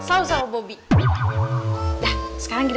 aku gak biasa kayak gini